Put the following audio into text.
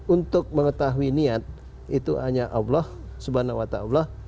untuk mengetahui niat itu hanya allah subhanahu wa ta'ala